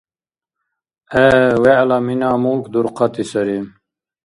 ГӀе, вегӀла мина-мулк дурхъати сари.